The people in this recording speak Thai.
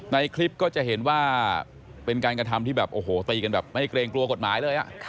ในคลิปก็จะเห็นว่าเป็นการกระทำที่แบบโอ้โหตีกันแบบไม่เกรงกลัวกฎหมายเลย